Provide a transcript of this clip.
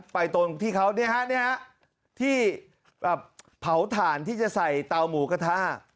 ตรงที่เขาที่แบบเผาถ่านที่จะใส่เตาหมูกระทะ